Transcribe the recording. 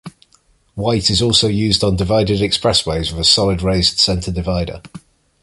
White is also used on divided expressways with a solid raised center divider.